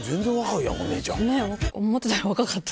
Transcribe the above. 全然、思ってたより若かった。